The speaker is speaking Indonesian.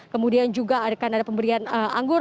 kemudian juga akan ada pemberian anggur